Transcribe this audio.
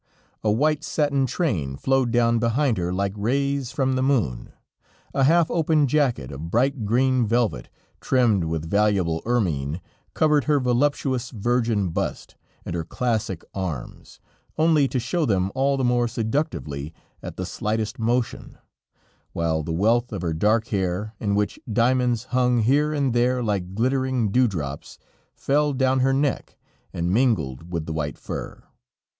A white satin train flowed down behind her like rays from the moon, a half open jacket of bright green velvet, trimmed with valuable ermine, covered her voluptuous, virgin bust and her classic arms, only to show them all the more seductively at the slightest motion, while the wealth of her dark hair, in which diamonds hung here and there like glittering dew drops, fell down her neck and mingled with the white fur.